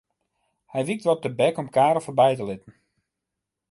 Hy wykt wat tebek om Karel foarby te litten.